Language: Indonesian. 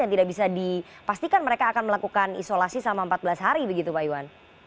dan tidak bisa dipastikan mereka akan melakukan isolasi selama empat belas hari begitu pak iwan